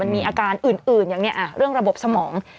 มันมีอาการอื่นอย่างเนี่ยอ่ะเรื่องระบบสมอง